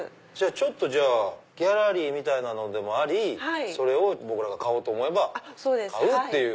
ちょっとじゃあギャラリーみたいなのでもありそれを僕らが買おうと思えば買うっていう。